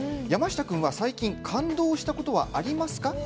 山下君は最近、感動したことありますか。